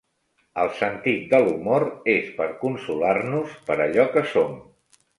El sentit de l'humor és per consolar-nos per allò que som.